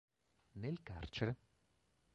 Nel carcere.